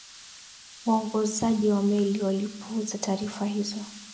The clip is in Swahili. waongozaji wa meli walipuuza taarifa hizo